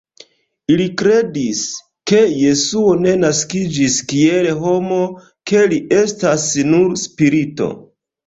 Ili kredis, ke Jesuo ne naskiĝis kiel homo, ke li estas nur spirito.